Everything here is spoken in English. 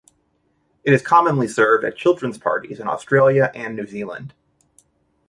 It is commonly served at children's parties in Australia and New Zealand.